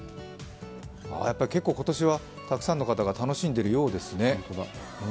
結構、今年はたくさんの方が楽しんでいるようですね。